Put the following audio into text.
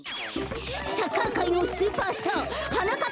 サッカーかいのスーパースターはなかっ